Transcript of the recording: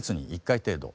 １回程度。